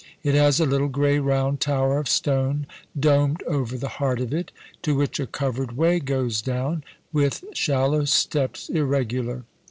It has a little grey round tower of stone domed over the heart of it, to which a covered way goes down, with shallow steps irregular.